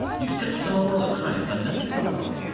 そのものがかなり負担になっているだろうなと思って。